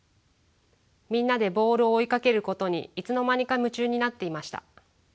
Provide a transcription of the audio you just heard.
みんなでボールを追いかけることにいつの間にか夢中になっていました。